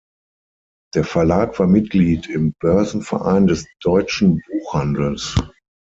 Der Verlag war Mitglied im Börsenverein des Deutschen Buchhandels.